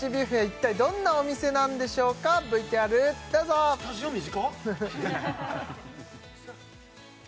一体どんなお店なんでしょうかＶＴＲどうぞスタジオ短っ！